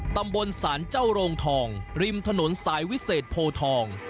ตำบลศาลเจ้าโรงทองริมถนนสายวิเศษโพทอง